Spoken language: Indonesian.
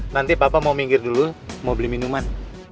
nanti bapak mau minggir dulu mau beli minuman